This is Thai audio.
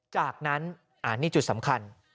จากนั้นอันนี้จุดสำคัญ